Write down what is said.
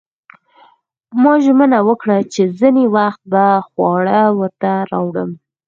ما ژمنه وکړه چې ځینې وخت به خواړه ورته راوړم